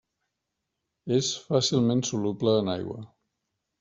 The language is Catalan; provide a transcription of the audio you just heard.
És fàcilment soluble en aigua.